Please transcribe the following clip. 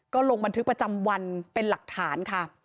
ก็ลงบันทึกประจำวันเป็นหลักฐานค่ะ